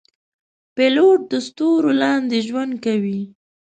پیلوټ د ستورو لاندې ژوند کوي.